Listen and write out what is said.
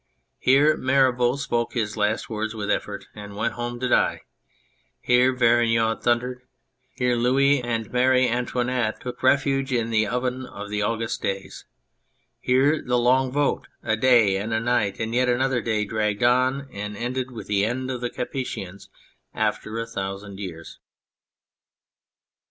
Here Mirabeau spoke his last words with effort and went home to die ; here Verginaud thundered ; here Louis and Mary Antoinette took refuge in the oven of the August days ; here the long vote, a day and a night and yet another day, dragged on and ended with the end of the Capetians after a thousand years.